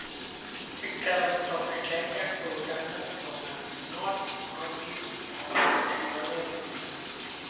It travels from Atlanta to Turners Corner, north-northeast of Dahlonega.